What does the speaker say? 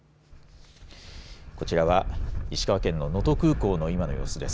こちらは石川県の能登空港の今の様子です。